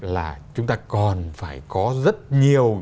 là chúng ta còn phải có rất nhiều